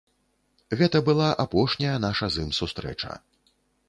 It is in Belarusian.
Гэта была апошняя наша з ім сустрэча.